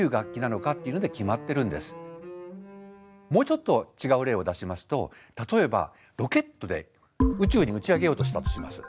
もうちょっと違う例を出しますと例えばロケットで宇宙に打ち上げようとしたとします。